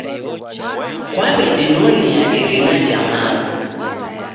Kwaw'edinonea irina ja mao